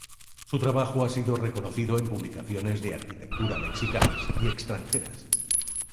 Su trabajo ha sido reconocido en publicaciones de arquitectura mexicanas y extranjeras.